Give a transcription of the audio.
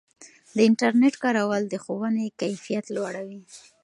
د انټرنیټ کارول د ښوونې کیفیت لوړوي.